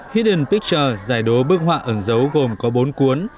hidden picture giải đố bức họa ẩn dấu gồm có bốn cuốn